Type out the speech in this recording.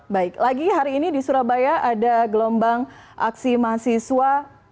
baik lagi hari ini di surabaya ada gelombang aksi mahasiswa